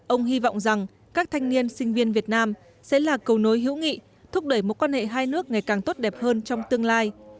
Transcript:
ông hy vọng rằng các thanh niên sinh viên việt nam sẽ là cầu nối hữu nghị thúc đẩy mối quan hệ hai nước ngày càng tốt đẹp hơn trong tương lai